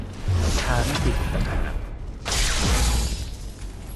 ทาไม่ติดอีกต่างหาก